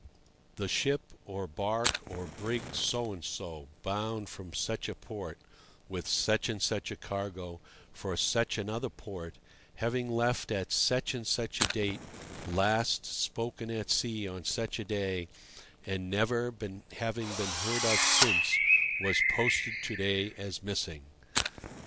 "The ship, or barque, or brig So and so, bound from such a port, with such and such cargo, for such another port, having left at such and such a date, last spoken at sea on such a day, and never having been heard of since, was posted to day as missing."